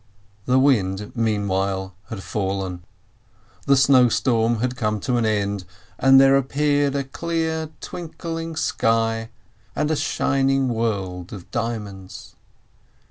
The wind, meanwhile, had fallen, the snow storm had come to an end, and there appeared a clear, twinkling sky, and a shining world of diamonds.